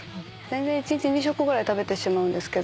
全然一日二食ぐらい食べてしまうんですけど。